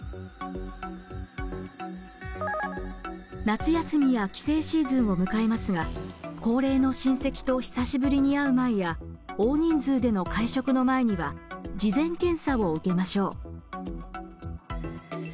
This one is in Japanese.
夏休みや帰省シーズンを迎えますが高齢の親戚と久しぶりに会う前や大人数での会食の前には事前検査を受けましょう。